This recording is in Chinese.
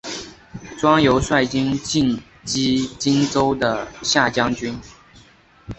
庄尤率军进击荆州的下江军。